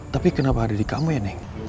tapi kenapa ada di kamar ya neng